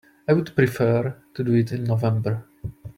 I would prefer to do it in November.